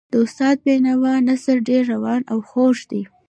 د استاد د بینوا نثر ډېر روان او خوږ دی.